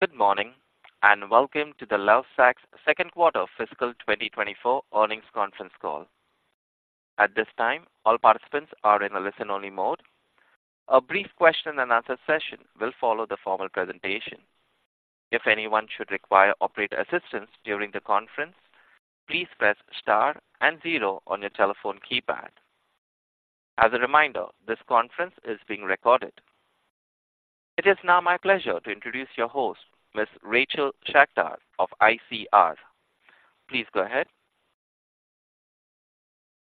Good morning, and welcome to the Lovesac's second quarter fiscal 2024 earnings conference call. At this time, all participants are in a listen-only mode. A brief question-and-answer session will follow the formal presentation. If anyone should require operator assistance during the conference, please press star and zero on your telephone keypad. As a reminder, this conference is being recorded. It is now my pleasure to introduce your host, Miss Rachel Schacter of ICR. Please go ahead.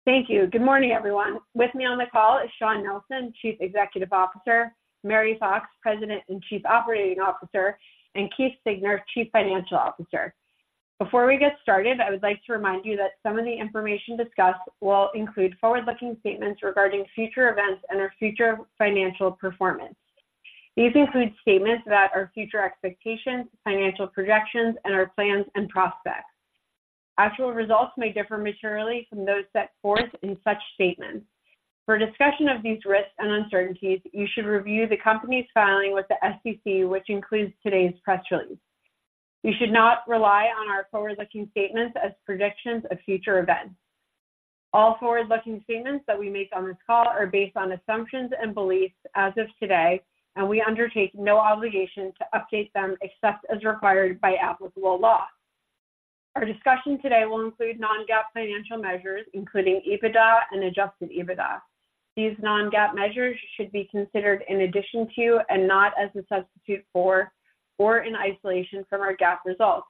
Thank you. Good morning, everyone. With me on the call is Shawn Nelson, Chief Executive Officer, Mary Fox, President and Chief Operating Officer, and Keith Siegner, Chief Financial Officer. Before we get started, I would like to remind you that some of the information discussed will include forward-looking statements regarding future events and our future financial performance. These include statements about our future expectations, financial projections, and our plans and prospects. Actual results may differ materially from those set forth in such statements. For discussion of these risks and uncertainties, you should review the company's filing with the SEC, which includes today's press release. You should not rely on our forward-looking statements as predictions of future events. All forward-looking statements that we make on this call are based on assumptions and beliefs as of today, and we undertake no obligation to update them except as required by applicable law. Our discussion today will include non-GAAP financial measures, including EBITDA and adjusted EBITDA. These non-GAAP measures should be considered in addition to and not as a substitute for or in isolation from our GAAP results.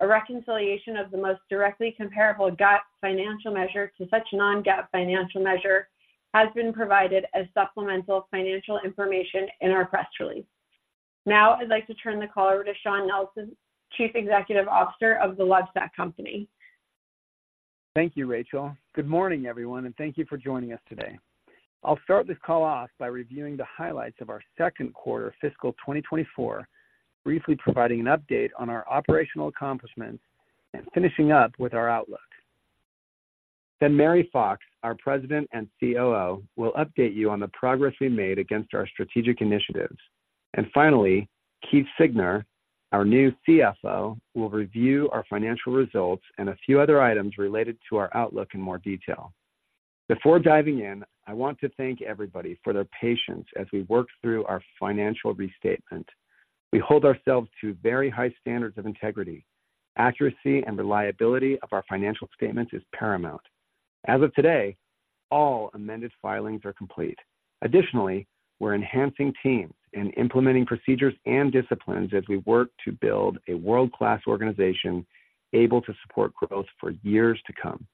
A reconciliation of the most directly comparable GAAP financial measure to such non-GAAP financial measure has been provided as supplemental financial information in our press release. Now, I'd like to turn the call over to Shawn Nelson, Chief Executive Officer of the Lovesac Company. Thank you, Rachel. Good morning, everyone, and thank you for joining us today. I'll start this call off by reviewing the highlights of our second quarter fiscal 2024, briefly providing an update on our operational accomplishments and finishing up with our outlook. Mary Fox, our President and COO, will update you on the progress we made against our strategic initiatives. Finally, Keith Siegner, our new CFO, will review our financial results and a few other items related to our outlook in more detail. Before diving in, I want to thank everybody for their patience as we work through our financial restatement. We hold ourselves to very high standards of integrity. Accuracy and reliability of our financial statements is paramount. As of today, all amended filings are complete. Additionally, we're enhancing teams and implementing procedures and disciplines as we work to build a world-class organization able to support growth for years to come.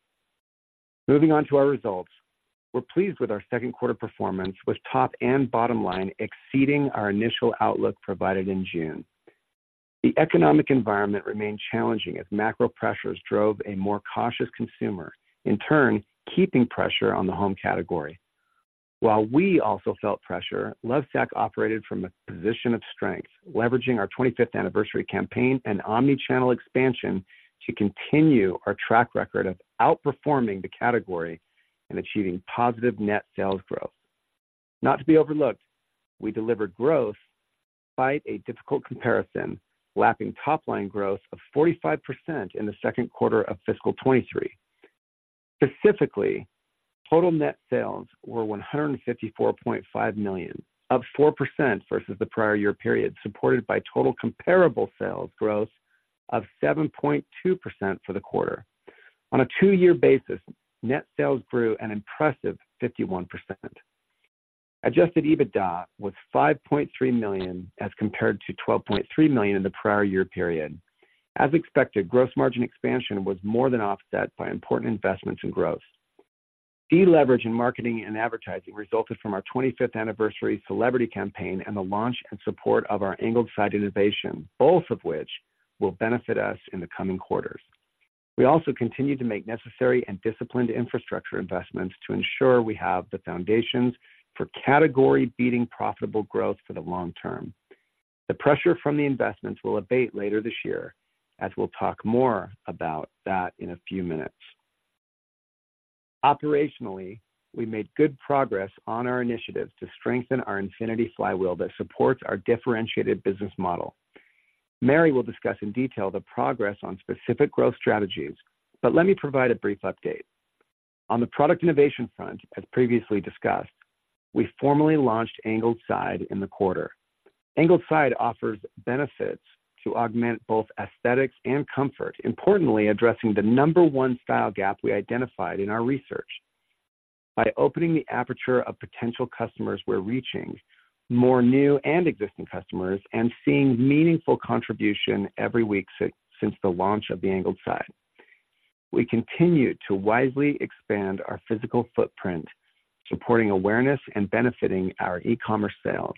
Moving on to our results, we're pleased with our second quarter performance, with top and bottom line exceeding our initial outlook provided in June. The economic environment remained challenging as macro pressures drove a more cautious consumer, in turn, keeping pressure on the home category. While we also felt pressure, Lovesac operated from a position of strength, leveraging our 25th anniversary campaign and omnichannel expansion to continue our track record of outperforming the category and achieving positive net sales growth. Not to be overlooked, we delivered growth despite a difficult comparison, lapping top-line growth of 45% in the second quarter of fiscal 2023. Specifically, total net sales were $154.5 million, up 4% versus the prior year period, supported by total comparable sales growth of 7.2% for the quarter. On a two-year basis, net sales grew an impressive 51%. Adjusted EBITDA was $5.3 million, as compared to $12.3 million in the prior year period. As expected, gross margin expansion was more than offset by important investments in growth. Deleverage in marketing and advertising resulted from our 25th anniversary celebrity campaign and the launch and support of our Angled Side innovation, both of which will benefit us in the coming quarters. We also continued to make necessary and disciplined infrastructure investments to ensure we have the foundations for category-beating, profitable growth for the long term. The pressure from the investments will abate later this year, as we'll talk more about that in a few minutes. Operationally, we made good progress on our initiatives to strengthen our Infinity Flywheel that supports our differentiated business model. Mary will discuss in detail the progress on specific growth strategies, but let me provide a brief update. On the product innovation front, as previously discussed, we formally launched Angled Side in the quarter. Angled Side offers benefits to augment both aesthetics and comfort, importantly, addressing the number one style gap we identified in our research. By opening the aperture of potential customers, we're reaching more new and existing customers and seeing meaningful contribution every week since the launch of the Angled Side. We continue to wisely expand our physical footprint, supporting awareness and benefiting our e-commerce sales,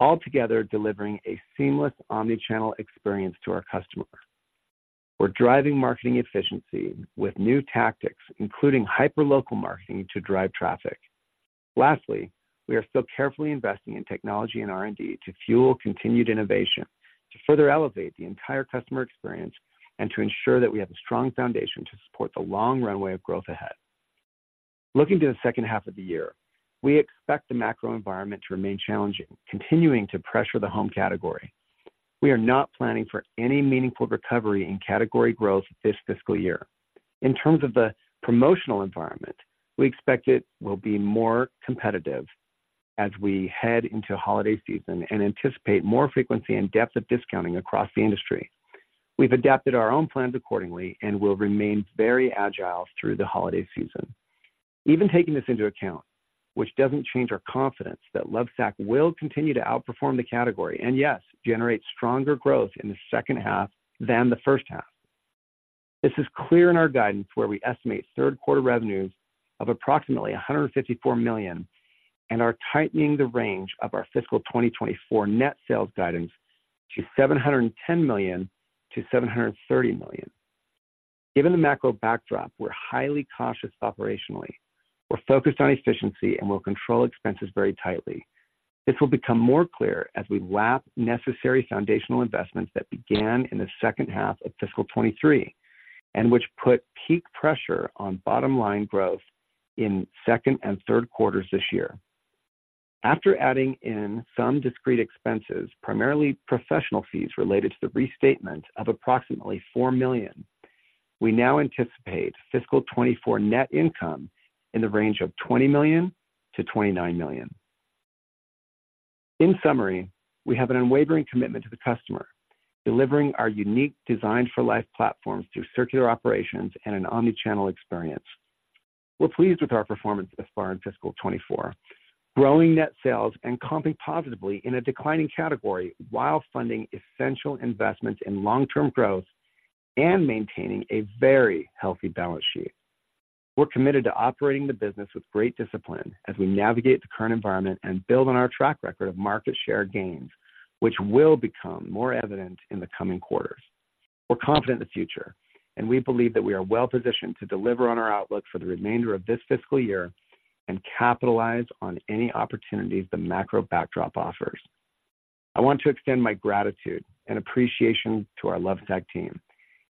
altogether delivering a seamless omnichannel experience to our customer. We're driving marketing efficiency with new tactics, including hyper local marketing, to drive traffic. Lastly, we are still carefully investing in technology and R&D to fuel continued innovation, to further elevate the entire customer experience, and to ensure that we have a strong foundation to support the long runway of growth ahead.... Looking to the second half of the year, we expect the macro environment to remain challenging, continuing to pressure the home category. We are not planning for any meaningful recovery in category growth this fiscal year. In terms of the promotional environment, we expect it will be more competitive as we head into holiday season and anticipate more frequency and depth of discounting across the industry. We've adapted our own plans accordingly and will remain very agile through the holiday season. Even taking this into account, which doesn't change our confidence that Lovesac will continue to outperform the category and, yes, generate stronger growth in the second half than the first half. This is clear in our guidance, where we estimate third quarter revenues of approximately $154 million, and are tightening the range of our fiscal 2024 net sales guidance to $710 million-$730 million. Given the macro backdrop, we're highly cautious operationally. We're focused on efficiency and will control expenses very tightly. This will become more clear as we lap necessary foundational investments that began in the second half of fiscal 2023, and which put peak pressure on bottom line growth in second and third quarters this year. After adding in some discrete expenses, primarily professional fees related to the restatement of approximately $4 million, we now anticipate fiscal 2024 net income in the range of $20 million-$29 million. In summary, we have an unwavering commitment to the customer, delivering our unique design for life platforms through circular operations and an omnichannel experience. We're pleased with our performance thus far in fiscal 2024, growing net sales and comping positively in a declining category, while funding essential investments in long-term growth and maintaining a very healthy balance sheet. We're committed to operating the business with great discipline as we navigate the current environment and build on our track record of market share gains, which will become more evident in the coming quarters. We're confident in the future, and we believe that we are well positioned to deliver on our outlook for the remainder of this fiscal year and capitalize on any opportunities the macro backdrop offers. I want to extend my gratitude and appreciation to our Lovesac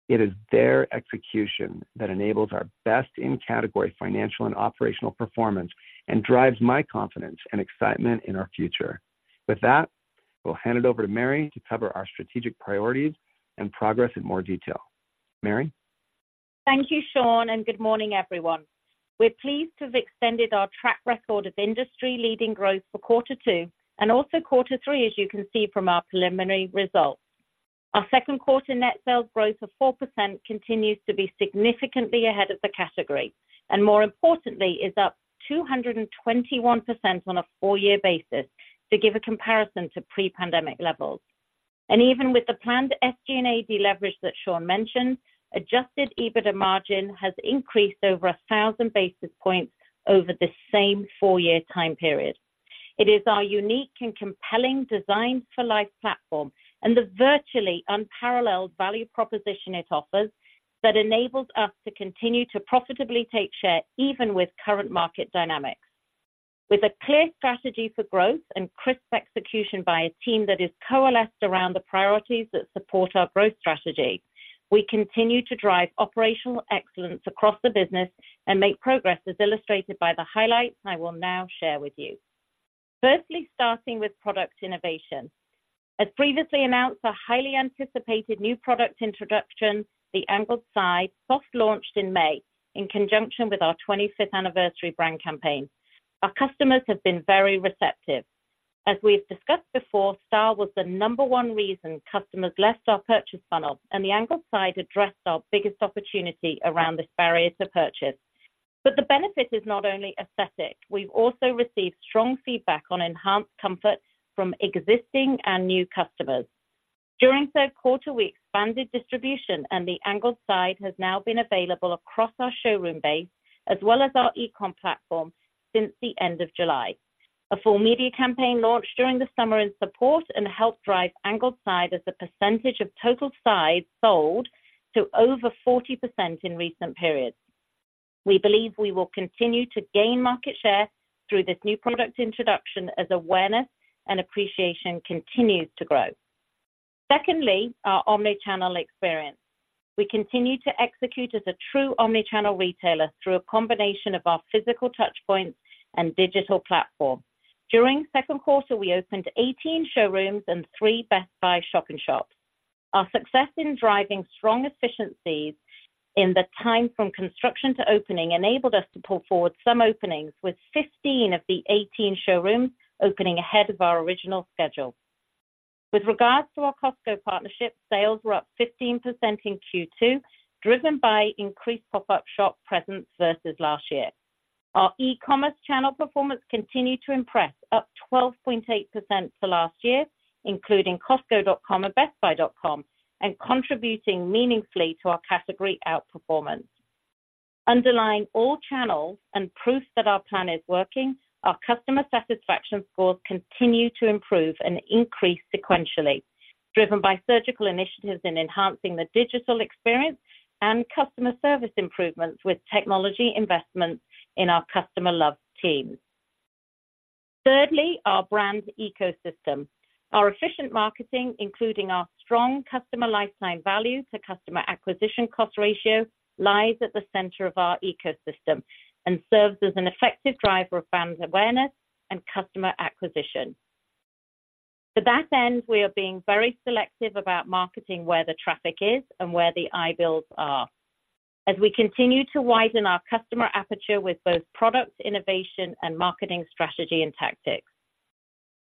team. It is their execution that enables our best-in-category financial and operational performance, and drives my confidence and excitement in our future. With that, we'll hand it over to Mary to cover our strategic priorities and progress in more detail. Mary? Thank you, Shawn, and good morning, everyone. We're pleased to have extended our track record of industry-leading growth for quarter two and also quarter three, as you can see from our preliminary results. Our second quarter net sales growth of 4% continues to be significantly ahead of the category, and more importantly, is up 221% on a four-year basis to give a comparison to pre-pandemic levels. Even with the planned SG&A deleverage that Shawn mentioned, adjusted EBITDA margin has increased over 1,000 basis points over the same four-year time period. It is our unique and compelling Designed for Life platform and the virtually unparalleled value proposition it offers, that enables us to continue to profitably take share, even with current market dynamics. With a clear strategy for growth and crisp execution by a team that is coalesced around the priorities that support our growth strategy, we continue to drive operational excellence across the business and make progress, as illustrated by the highlights I will now share with you. Firstly, starting with product innovation. As previously announced, our highly anticipated new product introduction, the Angled Side, soft launched in May in conjunction with our 25th anniversary brand campaign. Our customers have been very receptive. As we've discussed before, style was the number 1 reason customers left our purchase funnel, and the Angled Side addressed our biggest opportunity around this barrier to purchase. But the benefit is not only aesthetic. We've also received strong feedback on enhanced comfort from existing and new customers. During third quarter, we expanded distribution, and the Angled Side has now been available across our showroom base as well as our e-com platform since the end of July. A full media campaign launched during the summer in support and helped drive Angled Side as a percentage of total sides sold to over 40% in recent periods. We believe we will continue to gain market share through this new product introduction as awareness and appreciation continues to grow. Secondly, our omnichannel experience. We continue to execute as a true omnichannel retailer through a combination of our physical touchpoints and digital platform. During second quarter, we opened 18 showrooms and three Best Buy shop-in-shops. Our success in driving strong efficiencies in the time from construction to opening enabled us to pull forward some openings, with 15 of the 18 showrooms opening ahead of our original schedule. With regards to our Costco partnership, sales were up 15% in Q2, driven by increased pop-up shop presence versus last year. Our e-commerce channel performance continued to impress, up 12.8% to last year, including Costco.com and BestBuy.com, and contributing meaningfully to our category outperformance. Underlying all channels and proof that our plan is working, our customer satisfaction scores continue to improve and increase sequentially, driven by surgical initiatives in enhancing the digital experience and customer service improvements with technology investments in our Customer Love teams. Thirdly, our brand ecosystem. Our efficient marketing, including our strong customer lifetime value to customer acquisition cost ratio, lies at the center of our ecosystem and serves as an effective driver of brand awareness and customer acquisition. To that end, we are being very selective about marketing where the traffic is and where the eyeballs are. As we continue to widen our customer aperture with both product innovation and marketing strategy and tactics,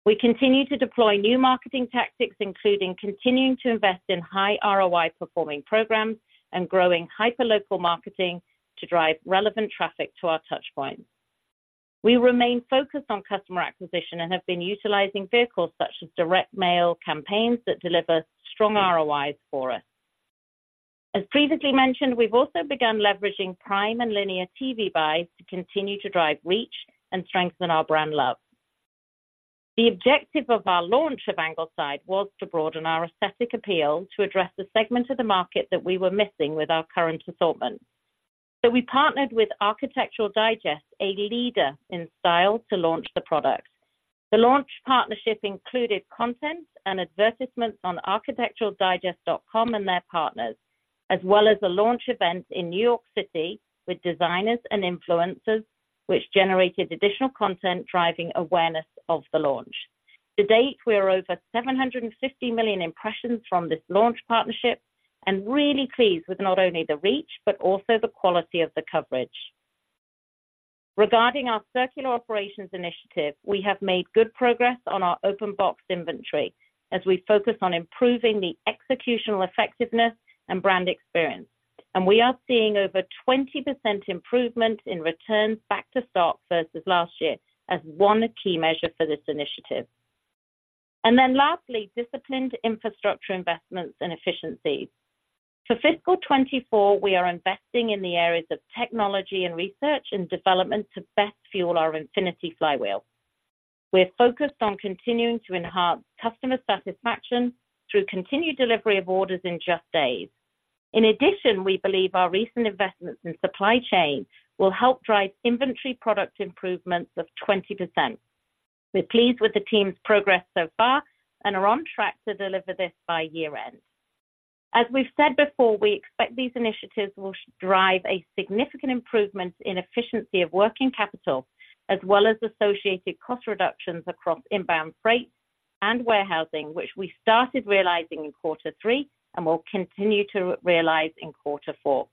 we continue to deploy new marketing tactics, including continuing to invest in high ROI performing programs and growing hyperlocal marketing to drive relevant traffic to our touch points. We remain focused on customer acquisition and have been utilizing vehicles such as direct mail campaigns that deliver strong ROIs for us. As previously mentioned, we've also begun leveraging Prime and linear TV buys to continue to drive reach and strengthen our brand love. The objective of our launch of Angled Side was to broaden our aesthetic appeal to address the segment of the market that we were missing with our current assortment. So we partnered with Architectural Digest, a leader in style, to launch the product. The launch partnership included content and advertisements on ArchitecturalDigest.com and their partners, as well as a launch event in New York City with designers and influencers, which generated additional content, driving awareness of the launch. To date, we are over 750 million impressions from this launch partnership and really pleased with not only the reach, but also the quality of the coverage. Regarding our circular operations initiative, we have made good progress on our open box inventory as we focus on improving the executional effectiveness and brand experience. And we are seeing over 20% improvement in returns back to stock versus last year as one key measure for this initiative. And then lastly, disciplined infrastructure investments and efficiencies. For fiscal 2024, we are investing in the areas of technology and research and development to best fuel our Infinity flywheel. We are focused on continuing to enhance customer satisfaction through continued delivery of orders in just days. In addition, we believe our recent investments in supply chain will help drive inventory product improvements of 20%. We're pleased with the team's progress so far and are on track to deliver this by year-end. As we've said before, we expect these initiatives will drive a significant improvement in efficiency of working capital, as well as associated cost reductions across inbound freight and warehousing, which we started realizing in quarter three and will continue to realize in quarter four.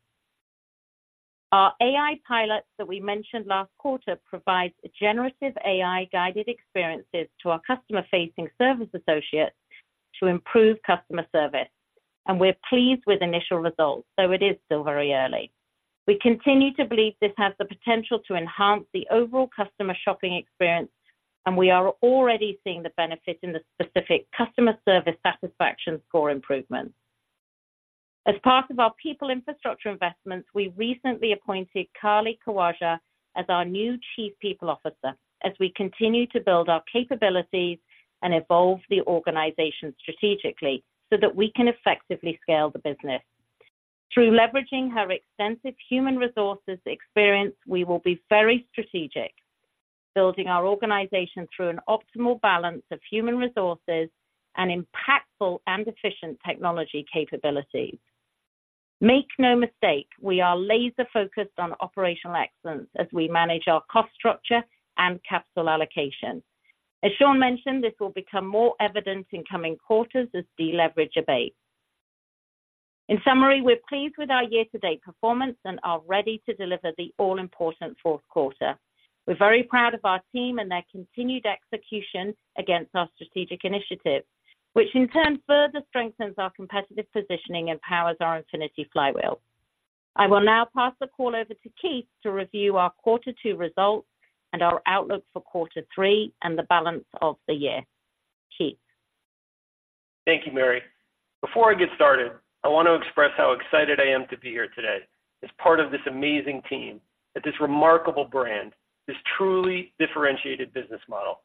Our AI pilots that we mentioned last quarter, provides a generative AI-guided experiences to our customer-facing service associates to improve customer service, and we're pleased with initial results, though it is still very early. We continue to believe this has the potential to enhance the overall customer shopping experience, and we are already seeing the benefit in the specific customer service satisfaction score improvement. As part of our people infrastructure investments, we recently appointed Carly Khawaja as our new Chief People Officer, as we continue to build our capabilities and evolve the organization strategically so that we can effectively scale the business. Through leveraging her extensive human resources experience, we will be very strategic, building our organization through an optimal balance of human resources and impactful and efficient technology capabilities. Make no mistake, we are laser-focused on operational excellence as we manage our cost structure and capital allocation. As Shawn mentioned, this will become more evident in coming quarters as deleverage abates. In summary, we're pleased with our year-to-date performance and are ready to deliver the all-important fourth quarter. We're very proud of our team and their continued execution against our strategic initiative, which in turn further strengthens our competitive positioning and powers our Infinity flywheel. I will now pass the call over to Keith to review our Quarter two results and our outlook for Quarter three and the balance of the year. Keith? Thank you, Mary. Before I get started, I want to express how excited I am to be here today as part of this amazing team, at this remarkable brand, this truly differentiated business model.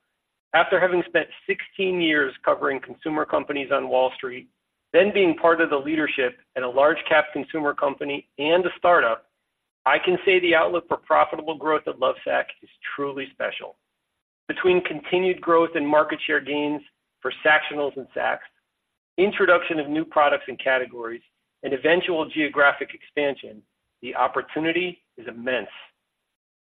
After having spent 16 years covering consumer companies on Wall Street, then being part of the leadership at a large cap consumer company and a startup, I can say the outlook for profitable growth at Lovesac is truly special. Between continued growth and market share gains for Sactionals and Sacs, introduction of new products and categories, and eventual geographic expansion, the opportunity is immense.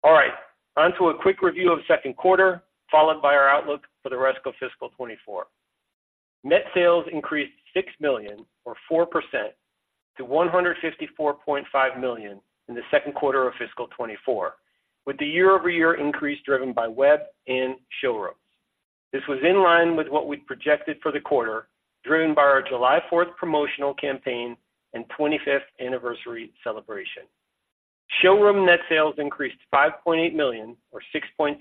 All right, on to a quick review of second quarter, followed by our outlook for the rest of fiscal 2024. Net sales increased $6 million, or 4%, to $154.5 million in the second quarter of fiscal 2024, with the year-over-year increase driven by web and showrooms. This was in line with what we'd projected for the quarter, driven by our July 4 promotional campaign and 25th anniversary celebration. Showroom net sales increased $5.8 million, or 6.3%,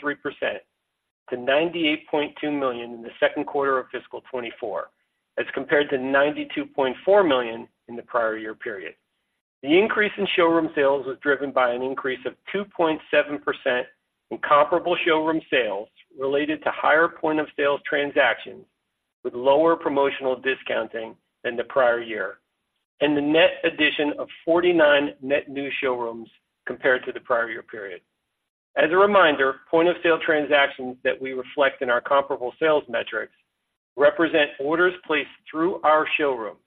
to $98.2 million in the second quarter of fiscal 2024, as compared to $92.4 million in the prior year period. The increase in showroom sales was driven by an increase of 2.7% in comparable showroom sales related to higher point-of-sale transactions, with lower promotional discounting than the prior year, and the net addition of 49 net new showrooms compared to the prior year period. As a reminder, point-of-sale transactions that we reflect in our comparable sales metrics represent orders placed through our showrooms,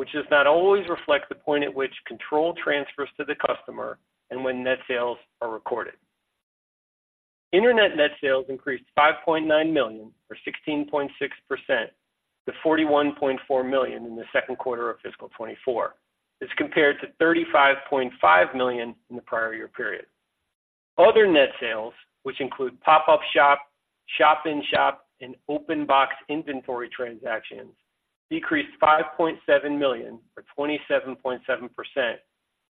which does not always reflect the point at which control transfers to the customer and when net sales are recorded. Internet net sales increased $5.9 million, or 16.6%, to $41.4 million in the second quarter of fiscal 2024, as compared to $35.5 million in the prior year period. Other net sales, which include pop-up shop, shop-in-shop, and open box inventory transactions, decreased $5.7 million, or 27.7%,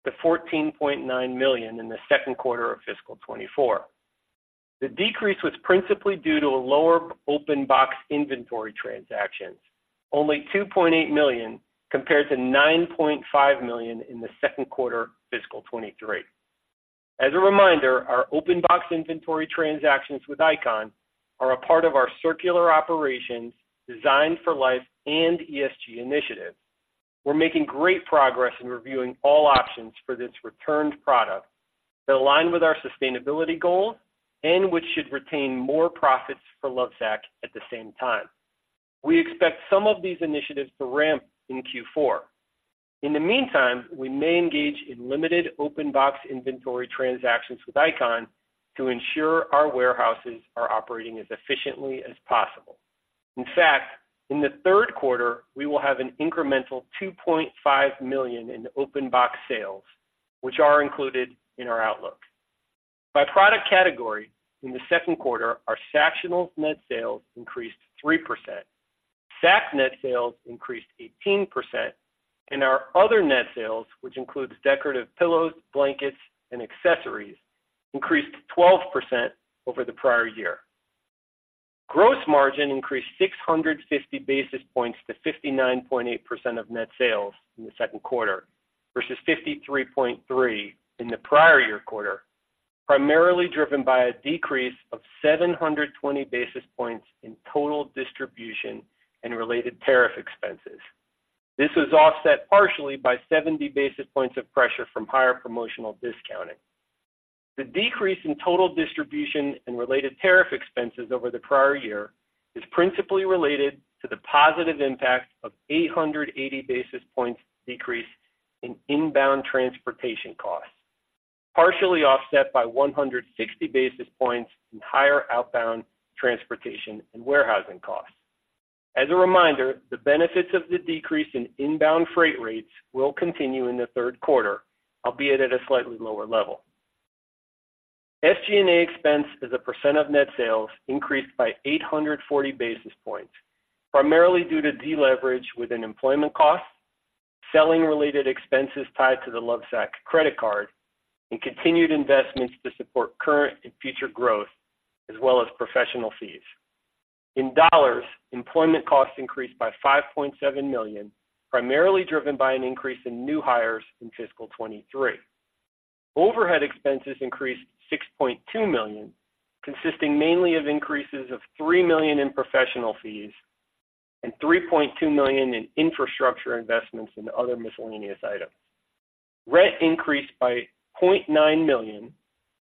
to $14.9 million in the second quarter of fiscal 2024. The decrease was principally due to a lower open box inventory transactions, only $2.8 million, compared to $9.5 million in the second quarter of fiscal 2023. As a reminder, our open box inventory transactions with ICON are a part of our circular operations Designed for Life and ESG initiatives. We're making great progress in reviewing all options for this returned product that align with our sustainability goals and which should retain more profits for Lovesac at the same time. We expect some of these initiatives to ramp in Q4. In the meantime, we may engage in limited open box inventory transactions with ICON to ensure our warehouses are operating as efficiently as possible. In fact, in the third quarter, we will have an incremental $2.5 million in open box sales, which are included in our outlook. By product category, in the second quarter, our sactional net sales increased 3%, sac net sales increased 18%, and our other net sales, which includes decorative pillows, blankets, and accessories, increased 12% over the prior year. Gross margin increased 650 basis points to 59.8% of net sales in the second quarter, versus 53.3% in the prior year quarter, primarily driven by a decrease of 720 basis points in total distribution and related tariff expenses. This was offset partially by 70 basis points of pressure from higher promotional discounting. The decrease in total distribution and related tariff expenses over the prior year is principally related to the positive impact of 880 basis points decrease in inbound transportation costs, partially offset by 160 basis points in higher outbound transportation and warehousing costs. As a reminder, the benefits of the decrease in inbound freight rates will continue in the third quarter, albeit at a slightly lower level. SG&A expense as a percent of net sales increased by 840 basis points, primarily due to deleverage with an employment cost, selling-related expenses tied to the LoveSac credit card, and continued investments to support current and future growth, as well as professional fees. In dollars, employment costs increased by $5.7 million, primarily driven by an increase in new hires in fiscal 2023. Overhead expenses increased $6.2 million, consisting mainly of increases of $3 million in professional fees and $3.2 million in infrastructure investments and other miscellaneous items. Rent increased by $0.9 million,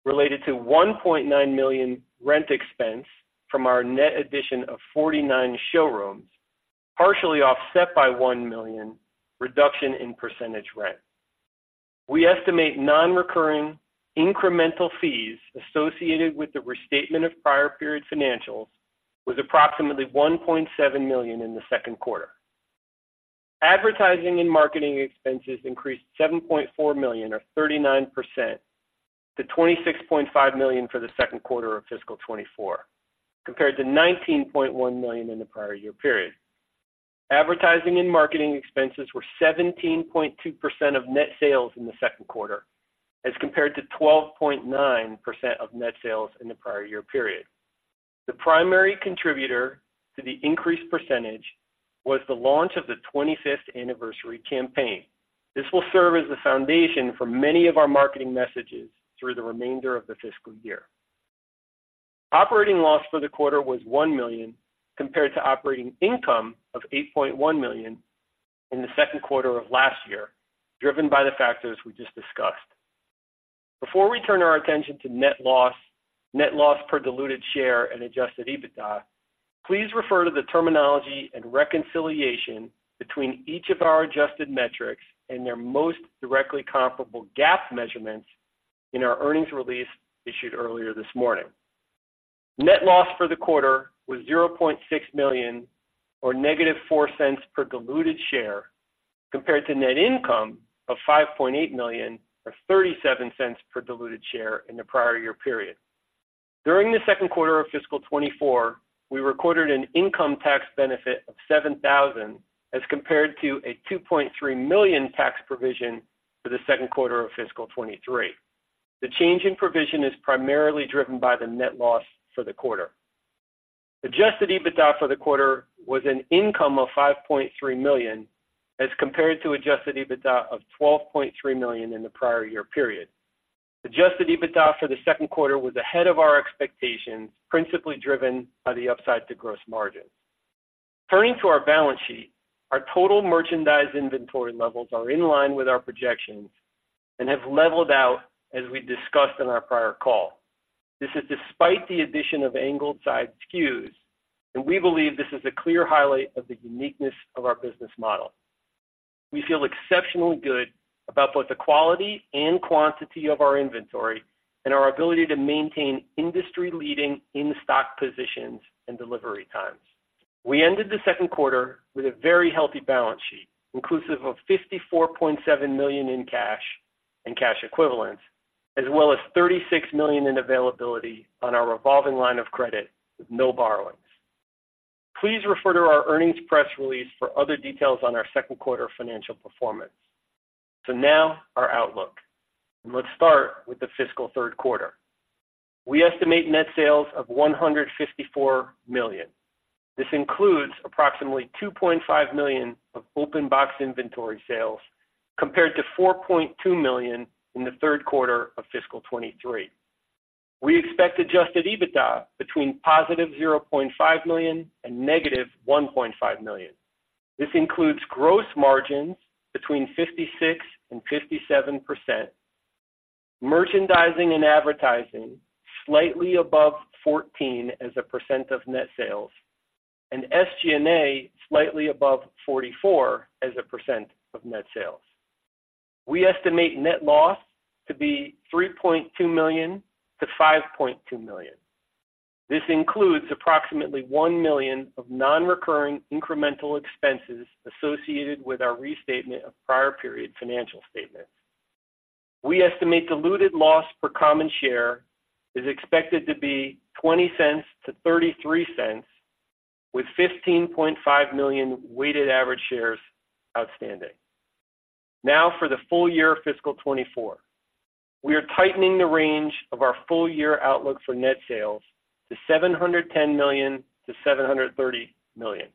related to $1.9 million rent expense from our net addition of 49 showrooms, partially offset by $1 million reduction in percentage rent. We estimate non-recurring incremental fees associated with the restatement of prior period financials was approximately $1.7 million in the second quarter. Advertising and marketing expenses increased $7.4 million, or 39%, to $26.5 million for the second quarter of fiscal 2024, compared to $19.1 million in the prior year period. Advertising and marketing expenses were 17.2% of net sales in the second quarter, as compared to 12.9% of net sales in the prior year period. The primary contributor to the increased percentage was the launch of the 25th anniversary campaign. This will serve as the foundation for many of our marketing messages through the remainder of the fiscal year. Operating loss for the quarter was $1 million, compared to operating income of $8.1 million in the second quarter of last year, driven by the factors we just discussed. Before we turn our attention to net loss, net loss per diluted share, and adjusted EBITDA, please refer to the terminology and reconciliation between each of our adjusted metrics and their most directly comparable GAAP measurements in our earnings release issued earlier this morning. Net loss for the quarter was $0.6 million, or -$0.04 per diluted share, compared to net income of $5.8 million, or $0.37 per diluted share in the prior year period. During the second quarter of fiscal 2024, we recorded an income tax benefit of $7,000, as compared to a $2.3 million tax provision for the second quarter of fiscal 2023. The change in provision is primarily driven by the net loss for the quarter. Adjusted EBITDA for the quarter was an income of $5.3 million, as compared to adjusted EBITDA of $12.3 million in the prior year period. Adjusted EBITDA for the second quarter was ahead of our expectations, principally driven by the upside to gross margin. Turning to our balance sheet, our total merchandise inventory levels are in line with our projections and have leveled out as we discussed on our prior call. This is despite the addition of Angled Side SKUs, and we believe this is a clear highlight of the uniqueness of our business model. We feel exceptionally good about both the quality and quantity of our inventory and our ability to maintain industry-leading in-stock positions and delivery times. We ended the second quarter with a very healthy balance sheet, inclusive of $54.7 million in cash and cash equivalents, as well as $36 million in availability on our revolving line of credit, with no borrowings. Please refer to our earnings press release for other details on our second quarter financial performance. Now, our outlook, and let's start with the fiscal third quarter. We estimate net sales of $154 million. This includes approximately $2.5 million of open box inventory sales, compared to $4.2 million in the third quarter of fiscal 2023. We expect adjusted EBITDA between +$0.5 million and -$1.5 million. This includes gross margins between 56%-57%, merchandising and advertising slightly above 14% of net sales, and SG&A slightly above 44% of net sales. We estimate net loss to be $3.2 million-$5.2 million. This includes approximately $1 million of nonrecurring incremental expenses associated with our restatement of prior period financial statements. We estimate diluted loss per common share is expected to be $0.20-$0.33, with 15.5 million weighted average shares outstanding. Now, for the full year fiscal 2024, we are tightening the range of our full year outlook for net sales to $710 million-$730 million.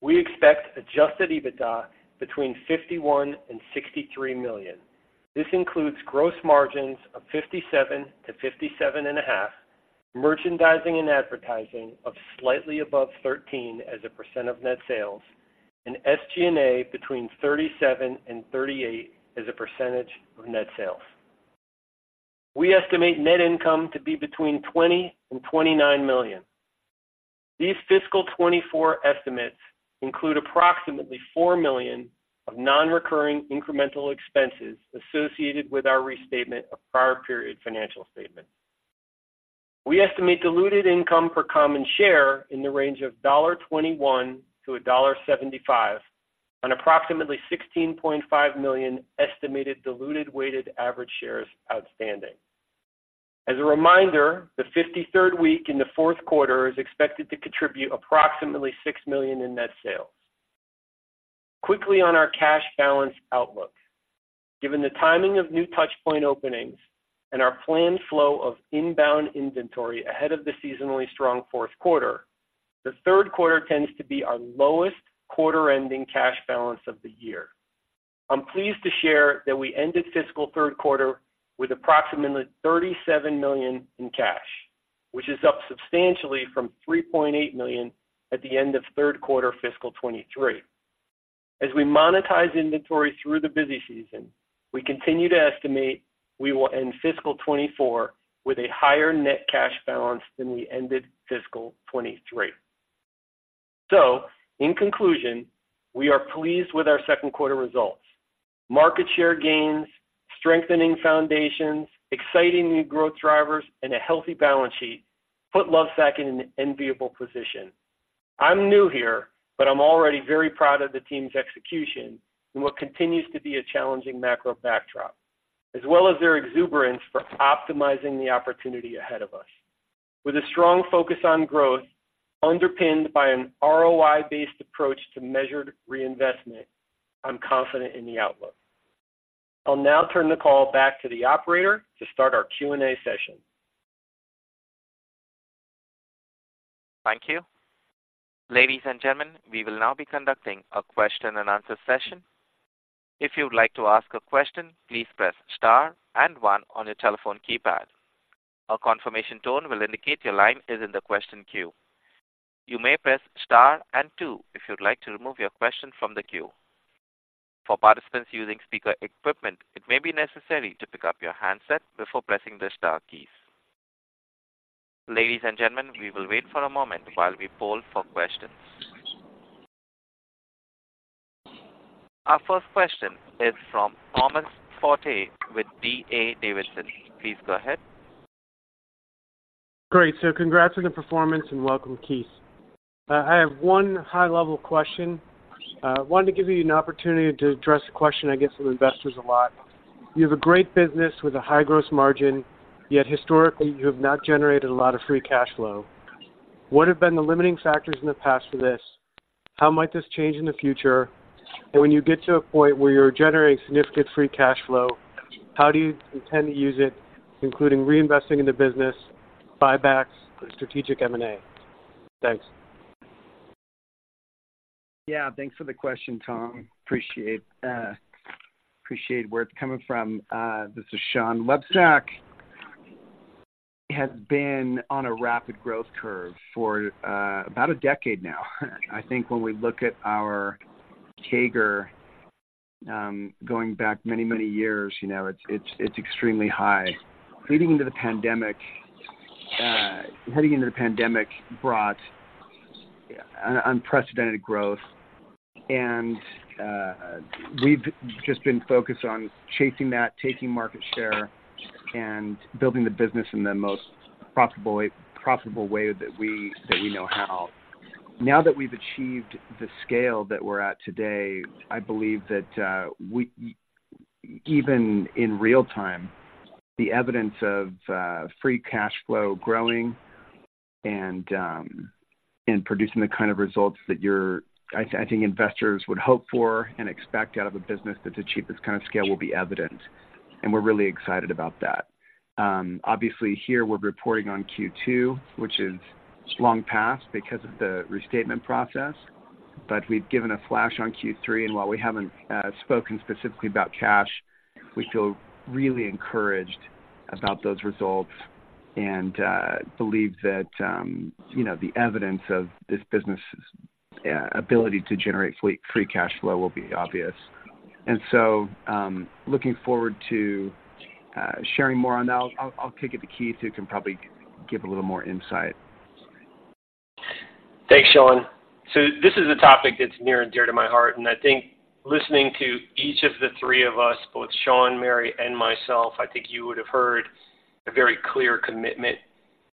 We expect adjusted EBITDA between $51 million-$63 million. This includes gross margins of 57%-57.5%, merchandising and advertising of slightly above 13% of net sales, and SG&A between 37%-38% of net sales. We estimate net income to be between $20 million-$29 million. These fiscal 2024 estimates include approximately $4 million of nonrecurring incremental expenses associated with our restatement of prior period financial statement. We estimate diluted income per common share in the range of $0.21-$0.75 on approximately 16.5 million estimated diluted weighted average shares outstanding. As a reminder, the 53rd week in the fourth quarter is expected to contribute approximately $6 million in net sales. Quickly on our cash balance outlook. Given the timing of new touchpoint openings and our planned flow of inbound inventory ahead of the seasonally strong fourth quarter, the third quarter tends to be our lowest quarter-ending cash balance of the year. I'm pleased to share that we ended fiscal third quarter with approximately $37 million in cash, which is up substantially from $3.8 million at the end of third quarter fiscal 2023. As we monetize inventory through the busy season, we continue to estimate we will end fiscal 2024 with a higher net cash balance than we ended fiscal 2023. In conclusion, we are pleased with our second quarter results. Market share gains, strengthening foundations, exciting new growth drivers, and a healthy balance sheet put Lovesac in an enviable position. I'm new here, but I'm already very proud of the team's execution in what continues to be a challenging macro backdrop, as well as their exuberance for optimizing the opportunity ahead of us. With a strong focus on growth, underpinned by an ROI-based approach to measured reinvestment, I'm confident in the outlook. I'll now turn the call back to the operator to start our Q&A session. Thank you. Ladies and gentlemen, we will now be conducting a question and answer session. If you would like to ask a question, please press Star and One on your telephone keypad. A confirmation tone will indicate your line is in the question queue. You may press Star and Two if you'd like to remove your question from the queue. For participants using speaker equipment, it may be necessary to pick up your handset before pressing the star keys. Ladies and gentlemen, we will wait for a moment while we poll for questions. Our first question is from Thomas Forte with D.A. Davidson. Please go ahead. Great. So congrats on the performance and welcome, Keith. I have one high-level question. I wanted to give you an opportunity to address a question I get from investors a lot. You have a great business with a high gross margin, yet historically, you have not generated a lot of free cash flow. What have been the limiting factors in the past for this? How might this change in the future? And when you get to a point where you're generating significant free cash flow, how do you intend to use it, including reinvesting in the business, buybacks, or strategic M&A? Thanks.... Yeah, thanks for the question, Tom. Appreciate, appreciate where it's coming from. This is Shawn Nelson. Has been on a rapid growth curve for about a decade now. I think when we look at our CAGR, going back many, many years, you know, it's extremely high. Leading into the pandemic, heading into the pandemic brought unprecedented growth, and we've just been focused on chasing that, taking market share and building the business in the most profitable, profitable way that we know how. Now that we've achieved the scale that we're at today, I believe that we even in real time, the evidence of free cash flow growing and and producing the kind of results that you're I think investors would hope for and expect out of a business that's achieved this kind of scale will be evident, and we're really excited about that. Obviously, here we're reporting on Q2, which is long past because of the restatement process, but we've given a flash on Q3, and while we haven't spoken specifically about cash, we feel really encouraged about those results and believe that, you know, the evidence of this business's ability to generate free cash flow will be obvious. And so, looking forward to sharing more on that. I'll kick it to Keith, who can probably give a little more insight. Thanks, Shawn. So this is a topic that's near and dear to my heart, and I think listening to each of the three of us, both Shawn, Mary, and myself, I think you would have heard a very clear commitment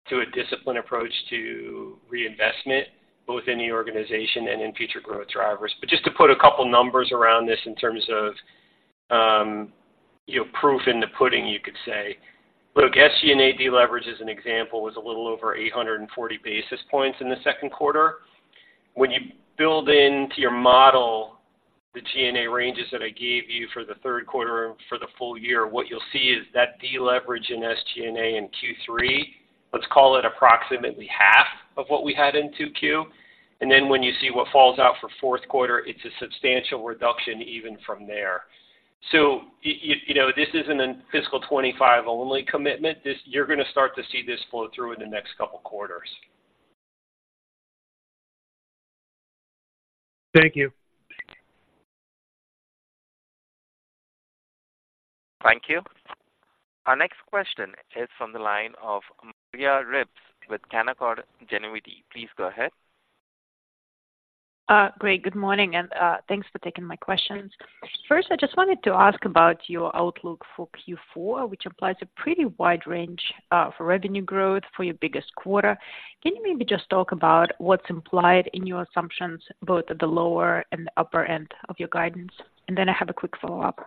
to a disciplined approach to reinvestment, both in the organization and in future growth drivers. But just to put a couple numbers around this in terms of, you know, proof in the pudding, you could say. Look, SG&A deleverage, as an example, was a little over 840 basis points in the second quarter. When you build into your model the G&A ranges that I gave you for the third quarter for the full year, what you'll see is that deleverage in SG&A in Q3, let's call it approximately half of what we had in 2Q. Then when you see what falls out for fourth quarter, it's a substantial reduction even from there. So you know, this isn't a fiscal 2025 only commitment. This— You're gonna start to see this flow through in the next couple of quarters. Thank you. Thank you. Our next question is from the line of Maria Ripps with Canaccord Genuity. Please go ahead. Great. Good morning, and thanks for taking my questions. First, I just wanted to ask about your outlook for Q4, which applies a pretty wide range for revenue growth for your biggest quarter. Can you maybe just talk about what's implied in your assumptions, both at the lower and the upper end of your guidance? And then I have a quick follow-up.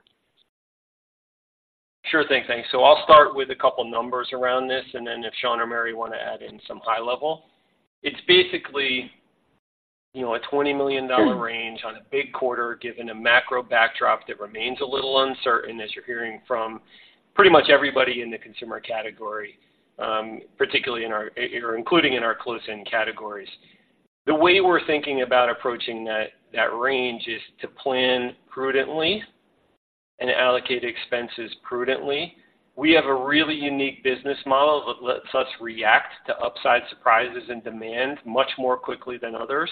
Sure thing, thanks. So I'll start with a couple numbers around this, and then if Shawn or Mary want to add in some high level. It's basically, you know, a $20 million range on a big quarter, given a macro backdrop that remains a little uncertain, as you're hearing from pretty much everybody in the consumer category, particularly in our or including in our close-in categories. The way we're thinking about approaching that range is to plan prudently and allocate expenses prudently. We have a really unique business model that lets us react to upside surprises and demand much more quickly than others,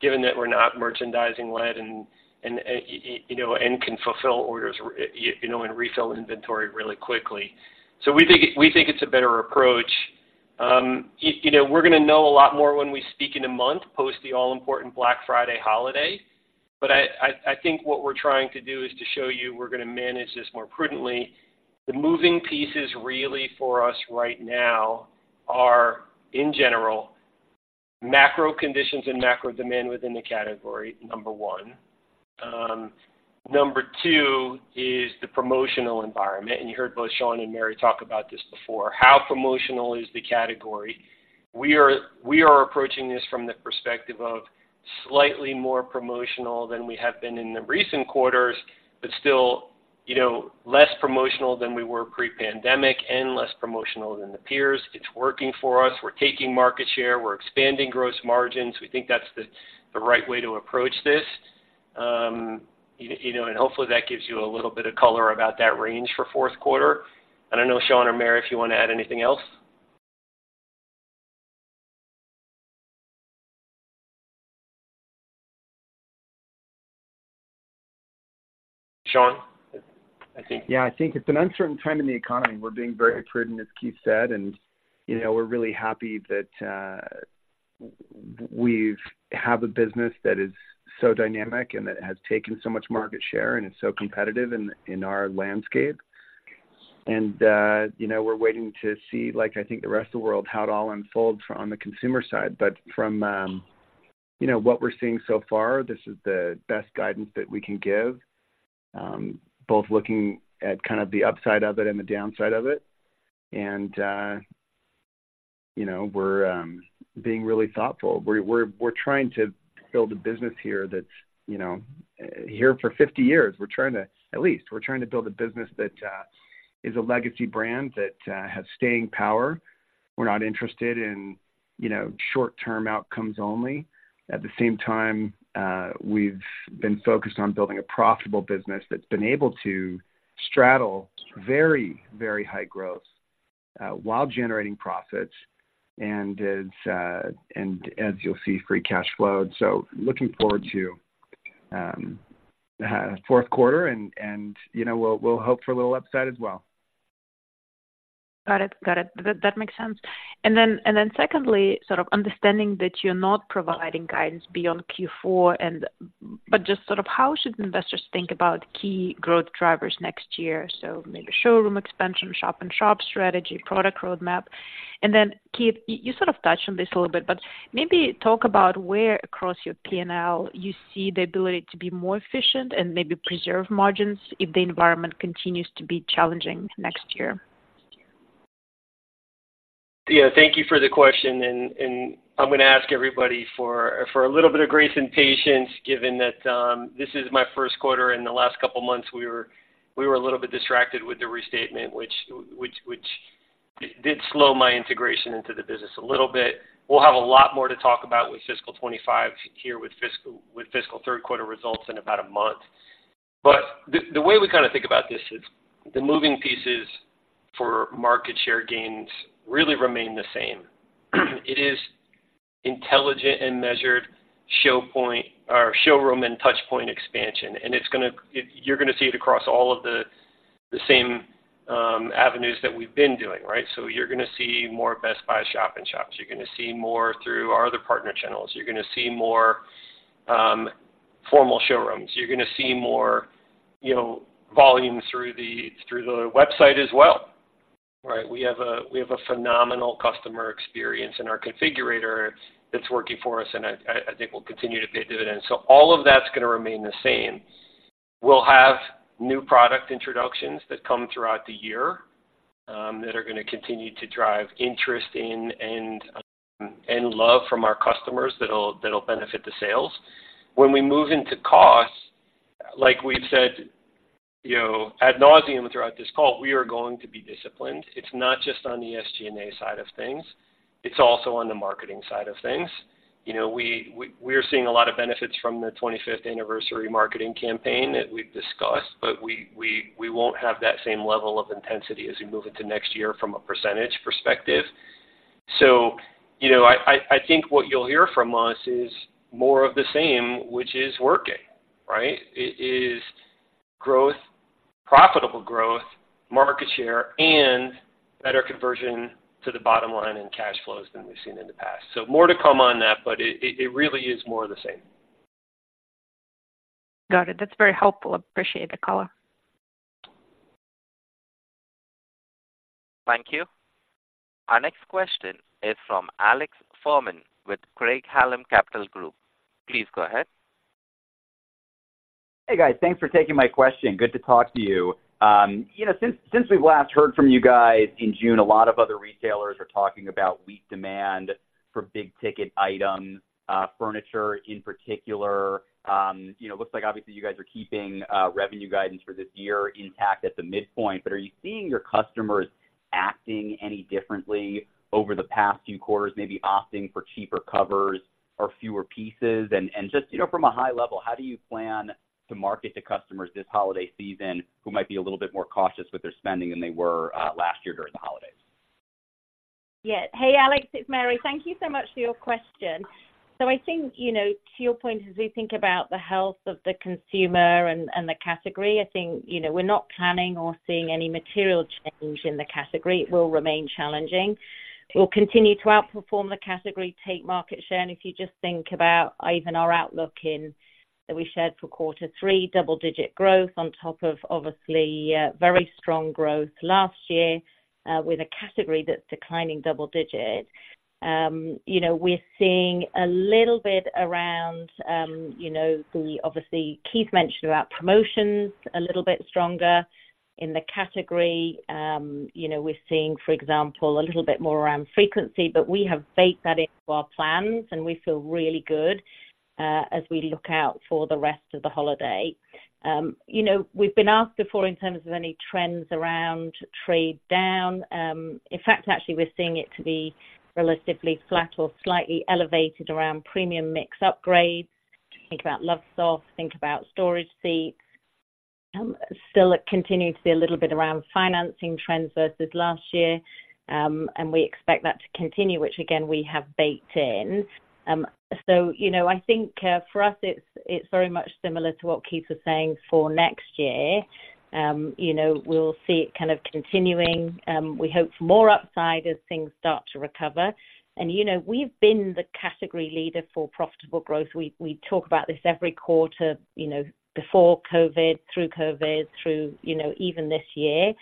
given that we're not merchandising-led and, you know, and can fulfill orders, you know, and refill inventory really quickly. So we think it, we think it's a better approach. You know, we're gonna know a lot more when we speak in a month, post the all-important Black Friday holiday. But I think what we're trying to do is to show you we're gonna manage this more prudently. The moving pieces really for us right now are, in general, macro conditions and macro demand within the category, number one. Number two is the promotional environment, and you heard both Sean and Mary talk about this before. How promotional is the category? We are approaching this from the perspective of slightly more promotional than we have been in the recent quarters, but still, you know, less promotional than we were pre-pandemic and less promotional than the peers. It's working for us. We're taking market share. We're expanding gross margins. We think that's the right way to approach this. You know, and hopefully, that gives you a little bit of color about that range for fourth quarter. I don't know, Shawn or Mary, if you want to add anything else. Shawn, I think. Yeah, I think it's an uncertain time in the economy. We're being very prudent, as Keith said, and, you know, we're really happy that we've have a business that is so dynamic and that has taken so much market share and is so competitive in our landscape. And, you know, we're waiting to see, like, I think, the rest of the world, how it all unfolds on the consumer side. But from, you know, what we're seeing so far, this is the best guidance that we can give, both looking at kind of the upside of it and the downside of it. And, you know, we're being really thoughtful. We're trying to build a business here that's, you know, here for 50 years. We're trying to, at least, we're trying to build a business that is a legacy brand that has staying power.... We're not interested in, you know, short-term outcomes only. At the same time, we've been focused on building a profitable business that's been able to straddle very, very high growth, while generating profits, and as you'll see, free cash flow. So looking forward to fourth quarter and, you know, we'll hope for a little upside as well. Got it. That makes sense. And then, secondly, sort of understanding that you're not providing guidance beyond Q4, but just sort of how should investors think about key growth drivers next year? So maybe showroom expansion, shop-in-shop strategy, product roadmap. And then, Keith, you sort of touched on this a little bit, but maybe talk about where across your P&L you see the ability to be more efficient and maybe preserve margins if the environment continues to be challenging next year. Yeah, thank you for the question, and I'm gonna ask everybody for a little bit of grace and patience, given that this is my first quarter. In the last couple of months, we were a little bit distracted with the restatement, which did slow my integration into the business a little bit. We'll have a lot more to talk about with fiscal 2025 here, with fiscal third quarter results in about a month. But the way we kind of think about this is the moving pieces for market share gains really remain the same. It is intelligent and measured show point or showroom and touchpoint expansion, and it's gonna. You're gonna see it across all of the same avenues that we've been doing, right? So you're gonna see more Best Buy shop-in-shops. You're gonna see more through our other partner channels. You're gonna see more, formal showrooms. You're gonna see more, you know, volume through the, through the website as well, right? We have a, we have a phenomenal customer experience in our configurator that's working for us, and I, I think will continue to pay dividends. So all of that's gonna remain the same. We'll have new product introductions that come throughout the year, that are gonna continue to drive interest in and, and love from our customers that'll, that'll benefit the sales. When we move into costs, like we've said, you know, ad nauseam throughout this call, we are going to be disciplined. It's not just on the SG&A side of things, it's also on the marketing side of things. You know, we're seeing a lot of benefits from the 25th anniversary marketing campaign that we've discussed, but we won't have that same level of intensity as we move into next year from a percentage perspective. So, you know, I think what you'll hear from us is more of the same, which is working, right? It is growth, profitable growth, market share, and better conversion to the bottom line and cash flows than we've seen in the past. So more to come on that, but it really is more of the same. Got it. That's very helpful. Appreciate the color. Thank you. Our next question is from Alex Fuhrman, with Craig-Hallum Capital Group. Please go ahead. Hey, guys. Thanks for taking my question. Good to talk to you. You know, since we've last heard from you guys in June, a lot of other retailers are talking about weak demand for big-ticket items, furniture in particular. You know, looks like obviously you guys are keeping revenue guidance for this year intact at the midpoint, but are you seeing your customers acting any differently over the past few quarters, maybe opting for cheaper covers or fewer pieces? And just, you know, from a high level, how do you plan to market to customers this holiday season who might be a little bit more cautious with their spending than they were last year during the holidays? Yeah. Hey, Alex, it's Mary. Thank you so much for your question. So I think, you know, to your point, as we think about the health of the consumer and the category, I think, you know, we're not planning or seeing any material change in the category. It will remain challenging. We'll continue to outperform the category, take market share, and if you just think about even our outlook in that we shared for quarter three, double-digit growth on top of obviously, very strong growth last year, with a category that's declining double-digit. You know, we're seeing a little bit around, you know, the... Obviously, Keith mentioned about promotions a little bit stronger in the category. You know, we're seeing, for example, a little bit more around frequency, but we have baked that into our plans, and we feel really good as we look out for the rest of the holiday. You know, we've been asked before in terms of any trends around trade down. In fact, actually, we're seeing it to be relatively flat or slightly elevated around premium mix upgrades. Think about LoveSac, think about storage seats. Still continue to see a little bit around financing trends versus last year, and we expect that to continue, which again, we have baked in. So you know, I think, for us, it's very much similar to what Keith was saying for next year. You know, we'll see it kind of continuing. We hope more upside as things start to recover. And you know, we've been the category leader for profitable growth. We, we talk about this every quarter, you know, before COVID, through COVID, through, you know, even this year.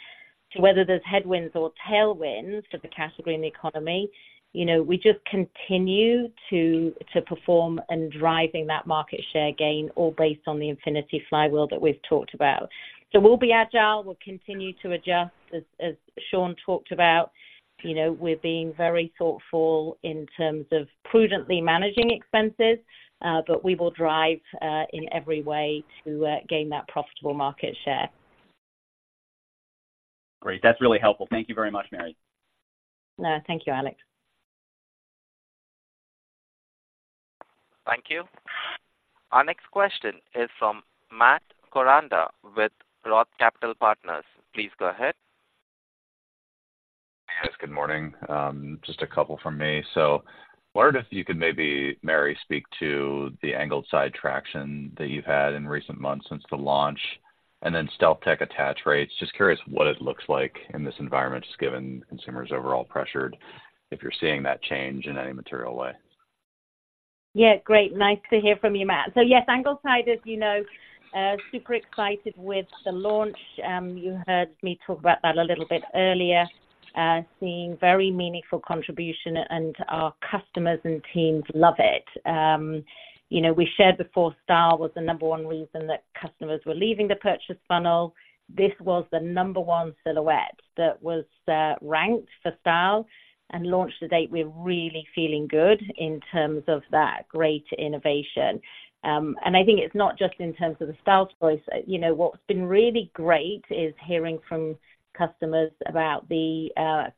To whether there's headwinds or tailwinds to the category and the economy, you know, we just continue to, to perform and driving that market share gain, all based on the Infinity flywheel that we've talked about. So we'll be agile. We'll continue to adjust, as, as Shawn talked about. You know, we're being very thoughtful in terms of prudently managing expenses, but we will drive in every way to gain that profitable market share.... Great. That's really helpful. Thank you very much, Mary. Thank you, Alex. Thank you. Our next question is from Matt Koranda with Roth Capital Partners. Please go ahead. Yes, good morning. Just a couple from me. So I wondered if you could maybe, Mary, speak to the Angled Side traction that you've had in recent months since the launch, and then StealthTech attach rates. Just curious what it looks like in this environment, just given consumers' overall pressured, if you're seeing that change in any material way? Yeah, great. Nice to hear from you, Matt. So yes, Angled Side, as you know, super excited with the launch. You heard me talk about that a little bit earlier, seeing very meaningful contribution, and our customers and teams love it. You know, we shared before, style was the number one reason that customers were leaving the purchase funnel. This was the number one silhouette that was ranked for style and launched to date. We're really feeling good in terms of that great innovation. And I think it's not just in terms of the style choice. You know, what's been really great is hearing from customers about the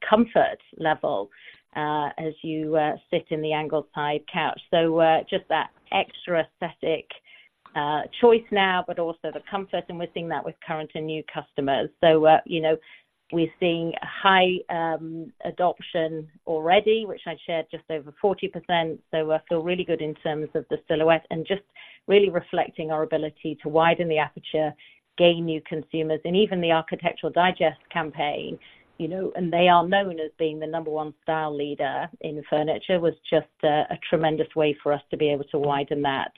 comfort level as you sit in the Angled Side couch. So, just that extra aesthetic choice now, but also the comfort, and we're seeing that with current and new customers. So, you know, we're seeing high adoption already, which I shared just over 40%. So I feel really good in terms of the silhouette and just really reflecting our ability to widen the aperture, gain new consumers, and even the Architectural Digest campaign, you know, and they are known as being the number one style leader in furniture, was just a tremendous way for us to be able to widen that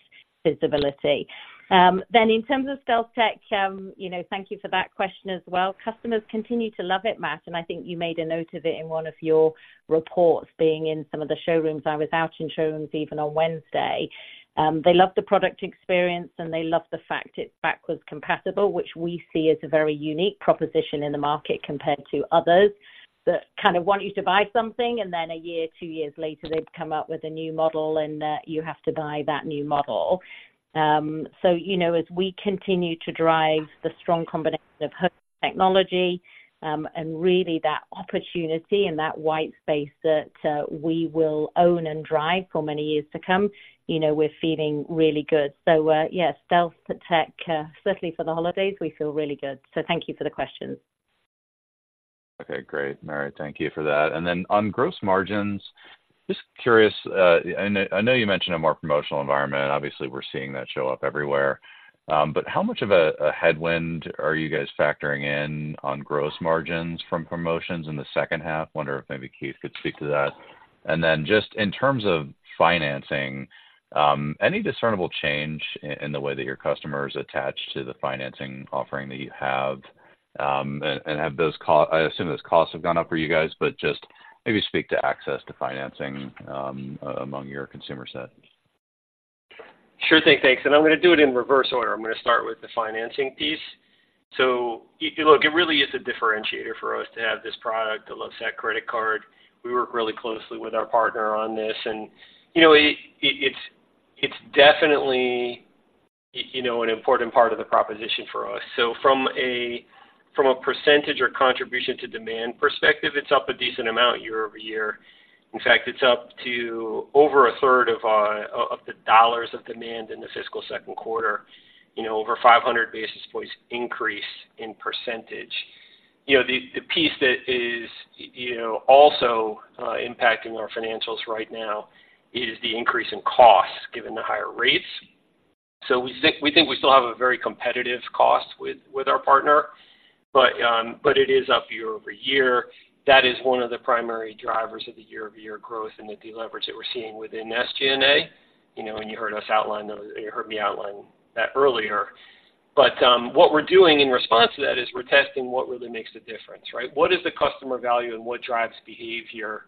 visibility. Then in terms of StealthTech, you know, thank you for that question as well. Customers continue to love it, Matt, and I think you made a note of it in one of your reports, being in some of the showrooms. I was out in showrooms even on Wednesday. They love the product experience, and they love the fact it's backwards compatible, which we see as a very unique proposition in the market compared to others that kind of want you to buy something, and then a year, two years later, they've come up with a new model, and you have to buy that new model. So, you know, as we continue to drive the strong combination of technology, and really that opportunity and that wide space that we will own and drive for many years to come, you know, we're feeling really good. So, yes, StealthTech, certainly for the holidays, we feel really good. So thank you for the questions. Okay, great, Mary, thank you for that. Then on gross margins, just curious, I know, I know you mentioned a more promotional environment. Obviously, we're seeing that show up everywhere. But how much of a headwind are you guys factoring in on gross margins from promotions in the second half? I wonder if maybe Keith could speak to that. And then just in terms of financing, any discernible change in the way that your customers attach to the financing offering that you have? And have those costs—I assume those costs have gone up for you guys, but just maybe speak to access to financing among your consumer set. Sure thing, thanks. I'm going to do it in reverse order. I'm going to start with the financing piece. Look, it really is a differentiator for us to have this product, the LoveSac credit card. We work really closely with our partner on this, and you know, it, it's definitely, you know, an important part of the proposition for us. From a percentage or contribution to demand perspective, it's up a decent amount year-over-year. In fact, it's up to over a third of the dollars of demand in the fiscal second quarter, you know, over 500 basis points increase in percentage. You know, the piece that is, you know, also impacting our financials right now is the increase in costs, given the higher rates. So we think we still have a very competitive cost with our partner, but it is up year-over-year. That is one of the primary drivers of the year-over-year growth and the deleverage that we're seeing within SG&A. You know, you heard us outline those. You heard me outline that earlier. But what we're doing in response to that is we're testing what really makes a difference, right? What is the customer value and what drives behavior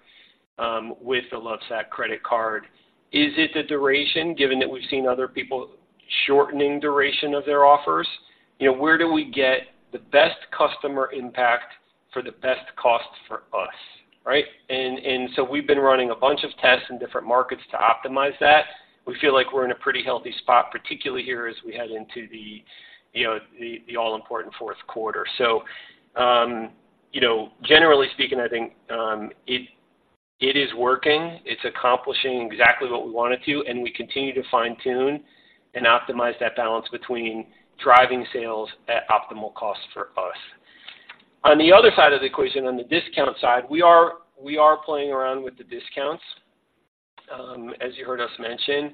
with the LoveSac credit card? Is it the duration, given that we've seen other people shortening duration of their offers? You know, where do we get the best customer impact for the best cost for us, right? And so we've been running a bunch of tests in different markets to optimize that. We feel like we're in a pretty healthy spot, particularly here as we head into the, you know, the all-important fourth quarter. So, you know, generally speaking, I think, it is working. It's accomplishing exactly what we want it to, and we continue to fine-tune and optimize that balance between driving sales at optimal cost for us. On the other side of the equation, on the discount side, we are playing around with the discounts. As you heard us mention,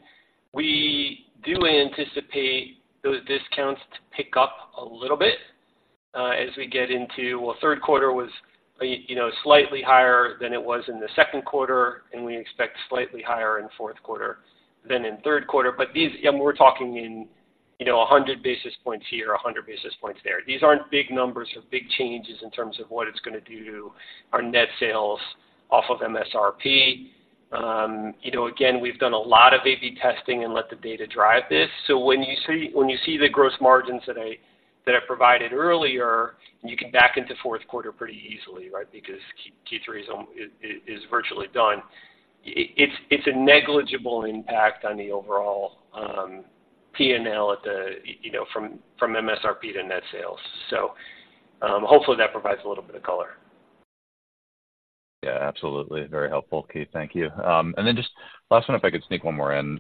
we do anticipate those discounts to pick up a little bit, as we get into... Well, third quarter was, you know, slightly higher than it was in the second quarter, and we expect slightly higher in fourth quarter than in third quarter. But these, and we're talking in, you know, 100 basis points here, 100 basis points there. These aren't big numbers or big changes in terms of what it's going to do to our net sales off of MSRP. You know, again, we've done a lot of A/B testing and let the data drive this. So when you see the gross margins that I provided earlier, you can back into fourth quarter pretty easily, right? Because Q3 is virtually done. It's a negligible impact on the overall P&L at the, you know, from MSRP to net sales. So hopefully, that provides a little bit of color. Yeah, absolutely. Very helpful, Keith. Thank you. And then just last one, if I could sneak one more in.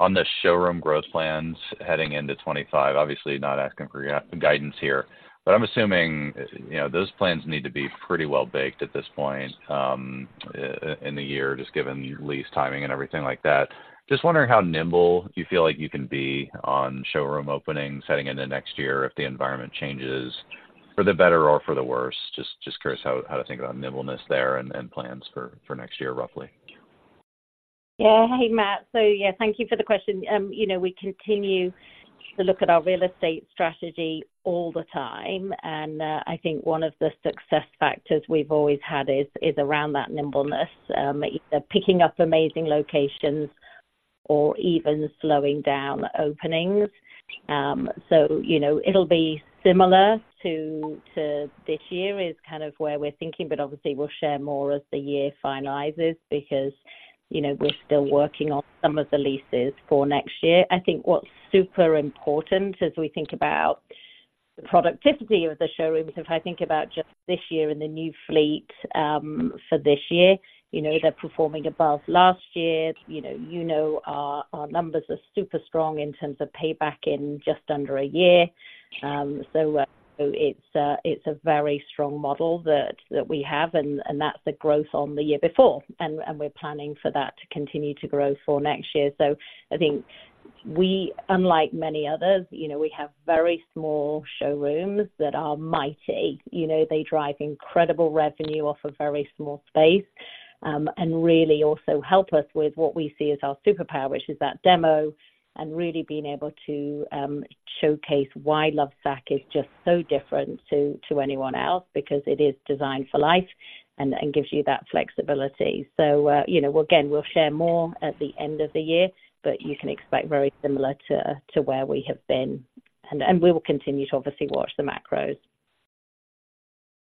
On the showroom growth plans heading into 2025, obviously not asking for guidance here, but I'm assuming, you know, those plans need to be pretty well baked at this point, in the year, just given lease timing and everything like that. Just wondering how nimble you feel like you can be on showroom openings heading into next year if the environment changes for the better or for the worse. Just curious how to think about nimbleness there and plans for next year, roughly. Yeah. Hey, Matt. So, yeah, thank you for the question. You know, we continue to look at our real estate strategy all the time, and I think one of the success factors we've always had is around that nimbleness, either picking up amazing locations or even slowing down openings. So, you know, it'll be similar to this year is kind of where we're thinking, but obviously, we'll share more as the year finalizes because, you know, we're still working on some of the leases for next year. I think what's super important as we think about the productivity of the showrooms, if I think about just this year and the new fleet, for this year, you know, they're performing above last year. You know, our numbers are super strong in terms of payback in just under a year. So, it's a very strong model that we have, and that's the growth on the year before, and we're planning for that to continue to grow for next year. So I think we, unlike many others, you know, we have very small showrooms that are mighty. You know, they drive incredible revenue off a very small space, and really also help us with what we see as our superpower, which is that demo, and really being able to showcase why Lovesac is just so different to anyone else, because it is Designed for Life and gives you that flexibility. So, you know, again, we'll share more at the end of the year, but you can expect very similar to where we have been, and we will continue to obviously watch the macros.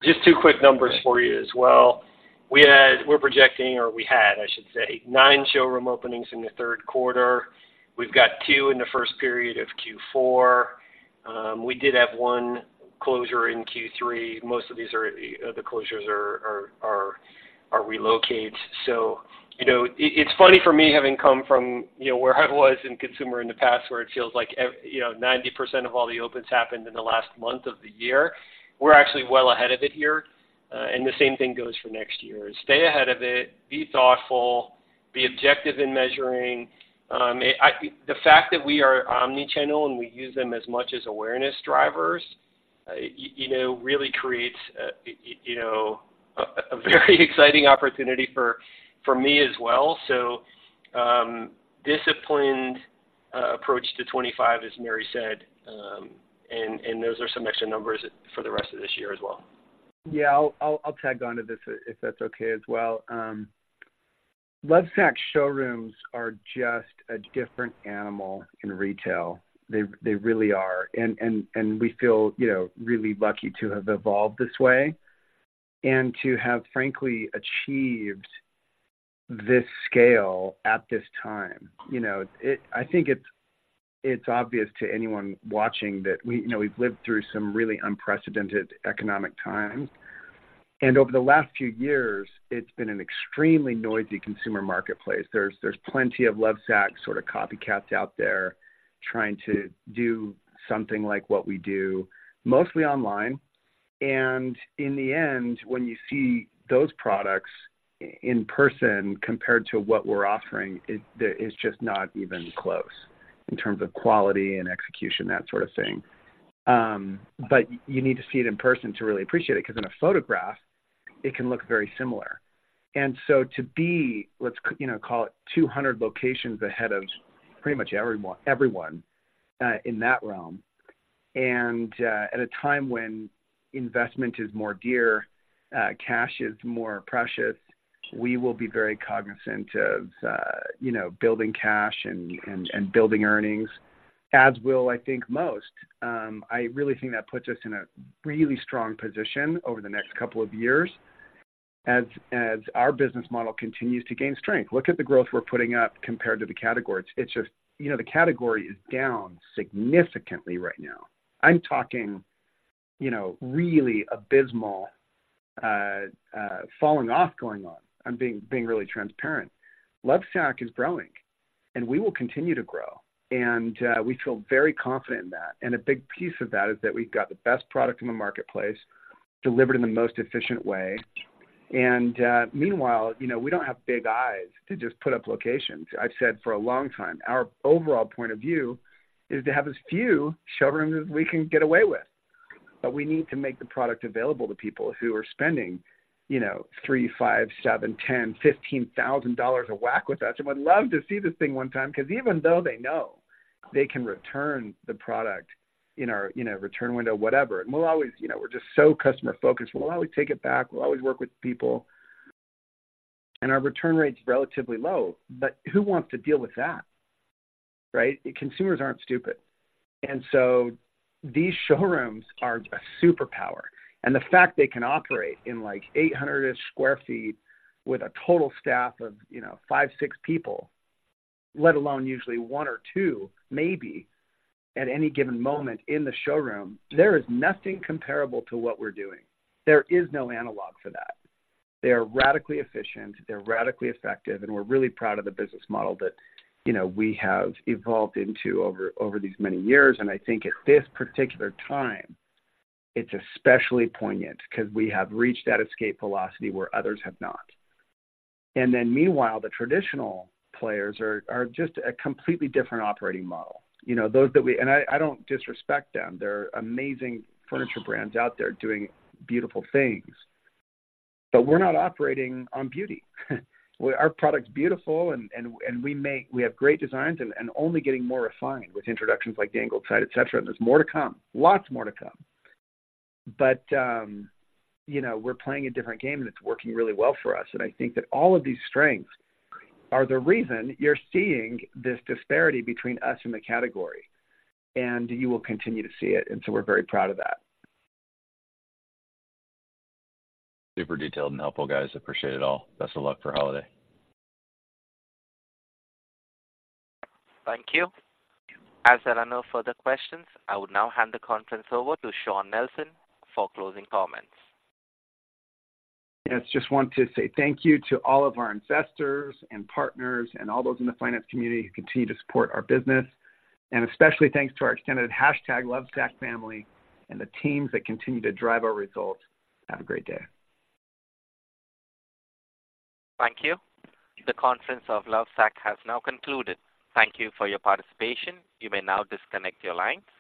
Just two quick numbers for you as well. We had - we're projecting or we had, I should say, 9 showroom openings in the third quarter. We've got 2 in the first period of Q4. We did have 1 closure in Q3. Most of these are, the closures are relocates. So, you know, it, it's funny for me, having come from, you know, where I was in consumer in the past, where it feels like, you know, 90% of all the opens happened in the last month of the year. We're actually well ahead of it here, and the same thing goes for next year. Stay ahead of it, be thoughtful, be objective in measuring. The fact that we are omni-channel and we use them as much as awareness drivers, you know, really creates, you know, a very exciting opportunity for me as well. So, disciplined approach to 25, as Mary said, and those are some extra numbers for the rest of this year as well. Yeah, I'll tag on to this, if that's okay as well. Lovesac showrooms are just a different animal in retail. They really are. And we feel, you know, really lucky to have evolved this way and to have frankly achieved this scale at this time. You know, it, I think it's obvious to anyone watching that we, you know, we've lived through some really unprecedented economic times, and over the last few years, it's been an extremely noisy consumer marketplace. There's plenty of Lovesac sort of copycats out there trying to do something like what we do, mostly online. And in the end, when you see those products in person compared to what we're offering, it's just not even close in terms of quality and execution, that sort of thing. But you need to see it in person to really appreciate it, because in a photograph, it can look very similar. So to be, let's, you know, call it 200 locations ahead of pretty much everyone in that realm, and at a time when investment is more dear, cash is more precious, we will be very cognizant of, you know, building cash and building earnings, as will I think, most. I really think that puts us in a really strong position over the next couple of years as our business model continues to gain strength. Look at the growth we're putting up compared to the category. It's just, you know, the category is down significantly right now. I'm talking, you know, really abysmal, falling off, going on. I'm being really transparent. Lovesac is growing, and we will continue to grow, and we feel very confident in that. And a big piece of that is that we've got the best product in the marketplace, delivered in the most efficient way. And meanwhile, you know, we don't have big eyes to just put up locations. I've said for a long time, our overall point of view is to have as few showrooms as we can get away with, but we need to make the product available to people who are spending, you know, $3,000, $5,000, $7,000, $10,000, $15,000 at a whack with us and would love to see this thing one time, because even though they know they can return the product in our, you know, return window, whatever, and we'll always... You know, we're just so customer-focused. We'll always take it back. We'll always work with people, and our return rate's relatively low. But who wants to deal with that?... Right? Consumers aren't stupid. And so these showrooms are a superpower, and the fact they can operate in, like, 800-ish sq ft with a total staff of, you know, 5, 6 people, let alone usually 1 or 2, maybe, at any given moment in the showroom, there is nothing comparable to what we're doing. There is no analog for that. They are radically efficient, they're radically effective, and we're really proud of the business model that, you know, we have evolved into over, over these many years. And I think at this particular time, it's especially poignant because we have reached that escape velocity where others have not. And then meanwhile, the traditional players are, are just a completely different operating model. You know, I don't disrespect them. There are amazing furniture brands out there doing beautiful things, but we're not operating on beauty. Our product's beautiful, and we have great designs and only getting more refined with introductions like the Angled Side, etc. And there's more to come. Lots more to come. But you know, we're playing a different game, and it's working really well for us, and I think that all of these strengths are the reason you're seeing this disparity between us and the category, and you will continue to see it. And so we're very proud of that. Super detailed and helpful, guys. Appreciate it all. Best of luck for holiday. Thank you. As there are no further questions, I will now hand the conference over to Shawn Nelson for closing comments. Yes, just want to say thank you to all of our investors and partners and all those in the finance community who continue to support our business, and especially thanks to our extended #Lovesac family and the teams that continue to drive our results. Have a great day. Thank you. The conference of Lovesac has now concluded. Thank you for your participation. You may now disconnect your line.